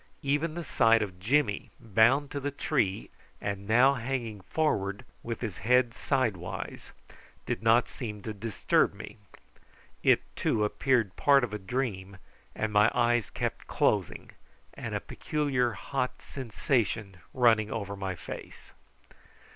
Even the sight of Jimmy bound to the tree, and now hanging forward with his head sidewise, did not seem to disturb me. It, too, appeared part of a dream, and my eyes kept closing, and a peculiar hot sensation running over my face.